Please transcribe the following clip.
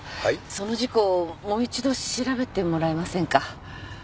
その事故もう一度調べてもらえませんか？